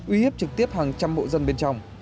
uy hiếp trực tiếp hàng trăm hộ dân bên trong